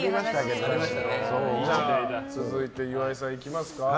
続いて、岩井さんいきますか。